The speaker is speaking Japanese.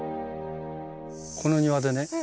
この庭でね